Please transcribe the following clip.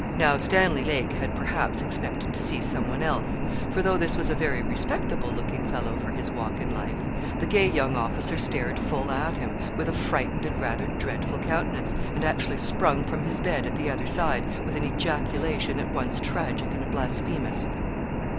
Now Stanley Lake had, perhaps, expected to see some one else; for though this was a very respectable looking fellow for his walk in life, the gay young officer stared full at him, with a frightened and rather dreadful countenance, and actually sprung from his bed at the other side, with an ejaculation at once tragic and blasphemous.